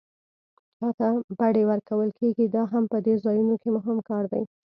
چاته بډې ورکول کېږي دا هم په دې ځایونو کې مهم کار دی.